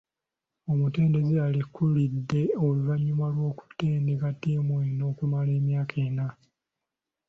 Omutendesi alekulidde oluvanyuma lw’okutendeka tiimu eno okumala emyaka ena.